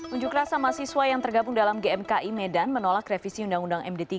unjuk rasa mahasiswa yang tergabung dalam gmki medan menolak revisi undang undang md tiga